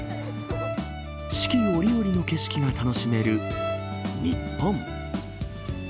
四季折々の景色が楽しめる日本。